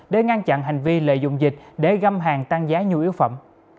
để ngăn chặn hành vi lợi dụng dịch để găm hàng tăng giá nhu yếu phẩm